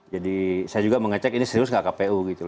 jadi saya juga mengecek ini serius nggak kpu gitu